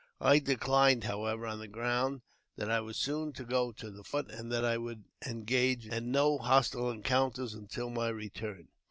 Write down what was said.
I declined, however, on th ground that I was soon to go to the fort, and that I would engage in no hostile encounters until my return.